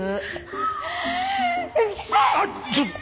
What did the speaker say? あっちょっと！